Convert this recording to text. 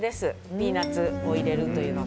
ピーナツを入れるというのが。